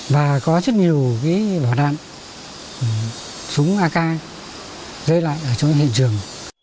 và có rất nhiều bỏ đạn súng ak rơi lại ở trong hiện trường